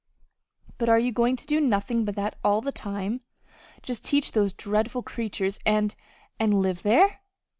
"But are you going to do nothing but that all the time just teach those dreadful creatures, and and live there?"